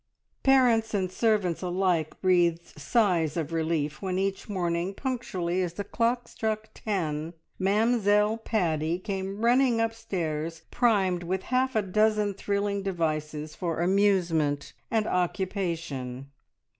Parents and servants alike breathed sighs of relief when each morning punctually as the clock struck ten, Mamzelle Paddy came running upstairs primed with half a dozen thrilling devices for amusement and occupation.